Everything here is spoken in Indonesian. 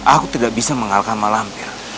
aku tidak bisa mengalahkan malam